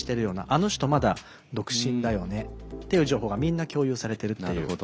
あの人まだ独身だよねっていう情報がみんな共有されてるっていう。